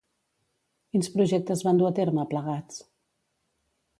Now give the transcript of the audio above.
Quins projectes van dur a terme, plegats?